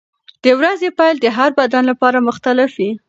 د ورځې پیل د هر بدن لپاره مختلف وي.